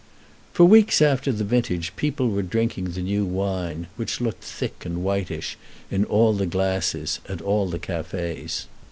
For weeks after the vintage people were drinking the new wine, which looked thick and whitish in the glasses, at all the cafés.